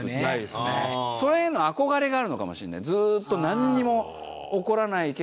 それへの憧れがあるのかもしんない。